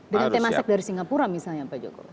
dengan temasek dari singapura misalnya pak jokowi